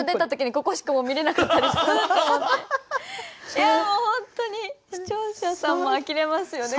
いやもう本当に視聴者さんもあきれますよね